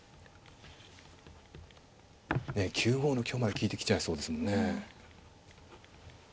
ねえ９五の香まで利いてきちゃいそうですね。